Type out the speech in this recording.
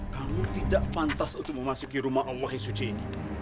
kamu tidak pantas untuk memasuki rumah allah yang suci ini